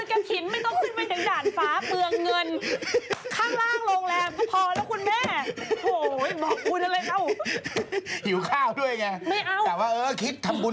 ชวนไปกินที่ซุปเปอร์หรืออะไรก็ว่ากันไปแม่พูดอะไรให้เกียรติโบท็อกซ์ฉันบ้าง